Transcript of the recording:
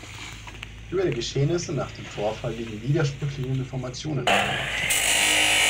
Über die Geschehnisse nach dem Vorfall liegen widersprüchliche Informationen vor.